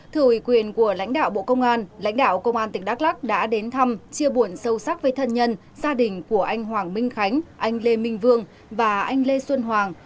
thử quyền của lãnh đạo bộ công an lãnh đạo công an tỉnh đắk lắc đã đến thăm chia buồn sâu sắc với thân nhân gia đình của anh hoàng minh khánh anh lê minh vương và anh lê xuân hoàng